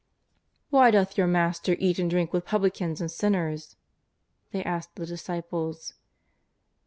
" Why doth your Master eat and drink with publi cans and sinners ?'^ they asked the disciples.